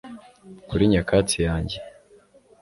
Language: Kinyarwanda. kuri nyakatsi yanjye